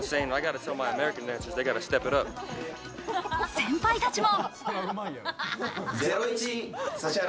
先輩たちも。